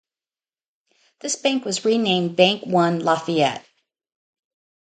This bank was rename "Bank One Lafayette".